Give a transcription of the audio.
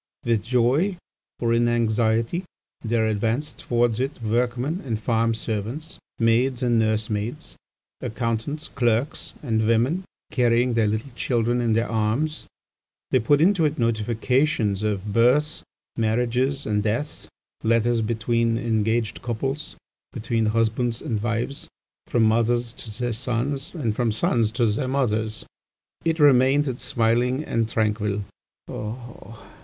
"With joy, or in anxiety, there advanced towards it workmen and farm servants, maids and nursemaids, accountants, clerks, and women carrying their little children in their arms; they put into it notifications of births, marriages, and deaths, letters between engaged couples, between husbands and wives, from mothers to their sons, and from sons to their mothers. It remained smiling and tranquil.